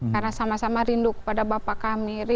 karena sama sama rindu kepada bapak kami